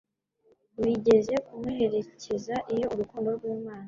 wigeze kumuherekeza iyo urukundo rw'Imana